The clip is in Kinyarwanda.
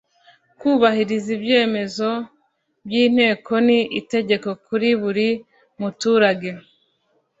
Kubahiriza ibyemezo by’Inteko ni itegeko kuri buri muturage